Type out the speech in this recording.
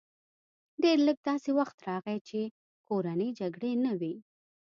ډېر لږ داسې وخت راغی چې کورنۍ جګړې نه وې